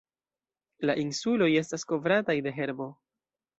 La insuloj estas kovrataj de herbo.